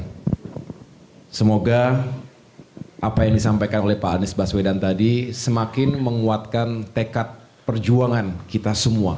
saya semoga apa yang disampaikan oleh pak anies baswedan tadi semakin menguatkan tekad perjuangan kita semua